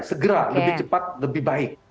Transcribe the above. segera lebih cepat lebih baik